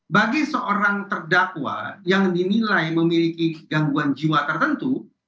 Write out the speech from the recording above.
bagi seorang terdakwa yang dinilai memiliki gangguan jiwa tertentu